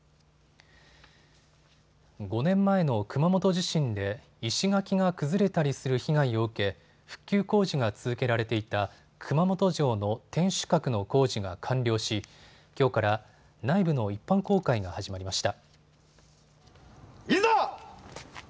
５年前の熊本地震で石垣が崩れたりする被害を受け復旧工事が続けられていた熊本城の天守閣の工事が完了しきょうから内部の一般公開が始まりました。